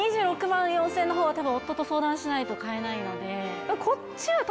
２６万４０００円のほうは夫と相談しないと買えないので。